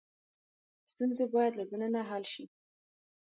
ستونزې باید له دننه حل شي.